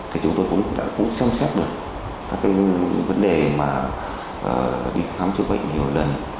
thì chúng tôi cũng xem xét được các cái vấn đề mà đi khám chữa bệnh nhiều lần